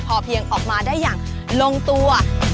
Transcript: พอเพียงออกมาได้อย่างลงตัว